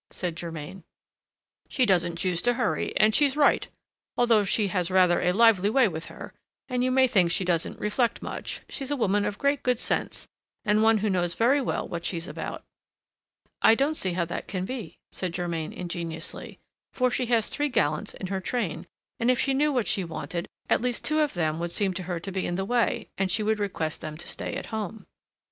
said Germain. "She doesn't choose to hurry, and she's right. Although she has rather a lively way with her, and you may think she doesn't reflect much, she's a woman of great good sense and one who knows very well what she's about." "I don't see how that can be," said Germain ingenuously, "for she has three gallants in her train, and if she knew what she wanted, at least two of them would seem to her to be in the way and she would request them to stay at home."